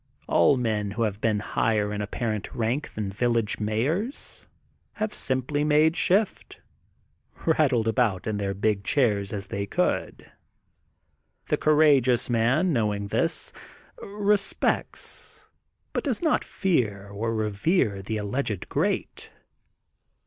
All men who have been higher in apparent rank than village mayors, have simply made shift: rattled about in their big chairs as they could. The courageous man, knowing this, respects, but does not fear or revere the alleged great.